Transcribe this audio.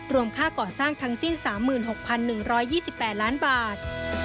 ค่าก่อสร้างทั้งสิ้น๓๖๑๒๘ล้านบาท